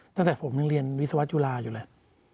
ตั้งแต่ผมก็เรียนวิศวัฒน์จุฬาอยู่แล้ว